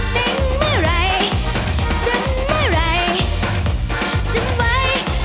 เส้นเมื่อไหร่เส้นเมื่อไหร่จนไหว